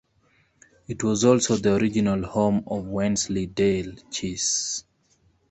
It was also the original home of Wensleydale cheese.